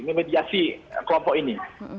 memediasi kelompok ini